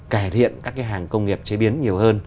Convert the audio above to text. cải thiện các cái hàng công nghiệp chế biến nhiều hơn